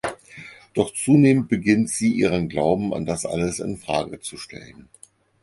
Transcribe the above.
Doch zunehmend beginnt sie ihren Glauben an das alles in Frage zu stellen.